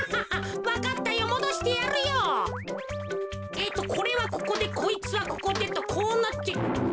えっとこれはここでこいつはここでとこうなって。